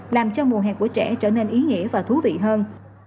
làm cho mùa hè của trẻ trở nên ý nghĩa và thú vị hơn